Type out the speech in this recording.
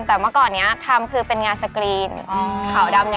ทำมาประมาณ๔ปีแล้วค่ะ